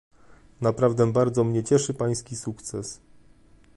Naprawdę bardzo mnie cieszy pański sukces